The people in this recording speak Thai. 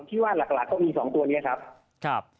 ผมคิดว่าหลักก็มีสองตัวนี้ครับ